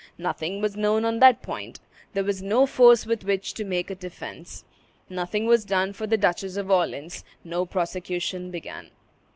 Nothing was known on that point. There was no force with which to make a defence. Nothing was done for the Duchess of Orleans; no prosecution began.